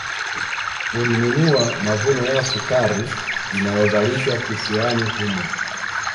Ulinunua mavuno ya sukari inayozalishwa kisiwani humo